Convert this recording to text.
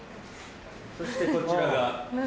そしてこちらが。